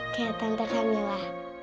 kayak tante camilla